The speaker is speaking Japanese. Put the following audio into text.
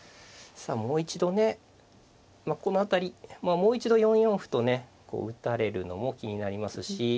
さあもう一度ねこの辺りもう一度４四歩とね打たれるのも気になりますし。